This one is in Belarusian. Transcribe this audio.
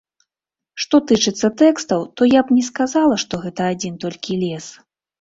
Што тычыцца тэкстаў, то я б не сказала, што гэта адзін толькі лес.